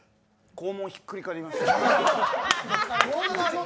肛門ひっくり返りました。